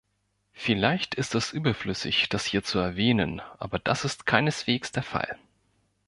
Vielleicht ist es überflüssig, das hier zu erwähnen, aber das ist keineswegs der Fall.